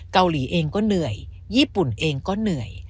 เกาหลีเองก็เหนื่อยญี่ปุ่นเองก็เหนื่อย